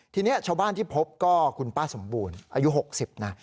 ทีนี้ชาวบ้านที่พบก็คุณป้าสมบูรณ์อายุ๖๐นะ